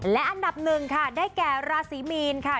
และอันดับหนึ่งค่ะได้แก่ราศีมีนค่ะ